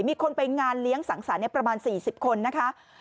มีคนไปงานเลี้ยงสังสารเนี่ยประมาณสี่สิบคนนะคะ